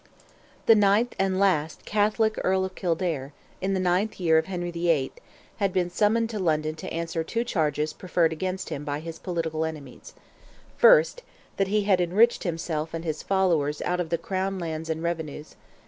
The ninth and last Catholic Earl of Kildare, in the ninth year of Henry VIII., had been summoned to London to answer two charges preferred against him by his political enemies: "1st, That he had enriched himself and his followers out of the crown lands and revenues.